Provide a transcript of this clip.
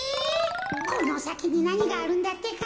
このさきになにがあるんだってか？